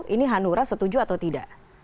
ini hanura setuju atau tidak